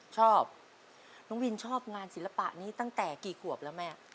ชอบน้องวินชอบงานศิลปะนี้ตั้งแต่กี่ขวบแล้วแม่